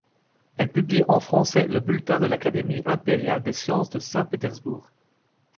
Elle publie en français le Bulletin de l'Académie impériale des sciences de Saint-Pétersbourg.